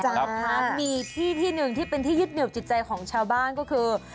จ้าครับค่ะมีที่หนึ่งที่เป็นที่ยึดเหนียบจิตใจของชาวบ้านก็คือ